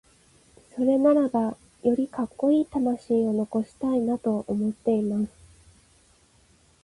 それならば、よりカッコイイ魂を残したいなと思っています。